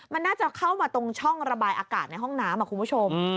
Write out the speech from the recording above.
มันน่าจะเข้ามาตรงช่องระบายอากาศในห้องน้ำคุณผู้ชม